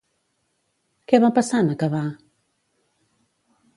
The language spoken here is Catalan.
Què va passar en acabar?